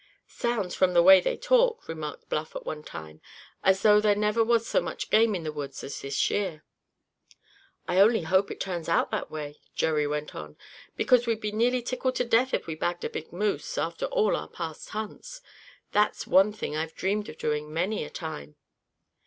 "Sounds from the way they talk," remarked Bluff at one time, "as though there never was so much game in the woods as this year." "I only hope it turns out that way," Jerry went on, "because we'd be nearly tickled to death if we bagged a big moose, after all our past hunts. That's one thing I've dreamed of doing many a time."